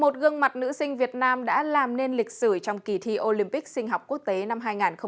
một gương mặt nữ sinh việt nam đã làm nên lịch sử trong kỳ thi olympic sinh học quốc tế năm hai nghìn hai mươi